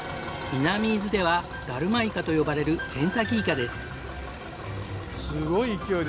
南伊豆ではダルマイカと呼ばれる剣先イカです。